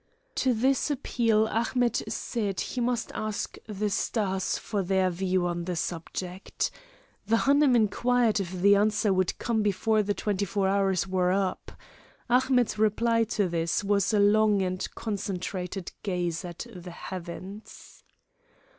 To this appeal Ahmet said he must ask the stars for their views on the subject. The Hanoum inquired if the answer would come before the twenty four hours were up. Ahmet's reply to this was a long and concentrated gaze at the heavens.